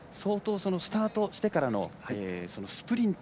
スタートしてからのスプリント